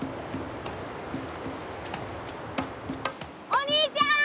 お兄ちゃん！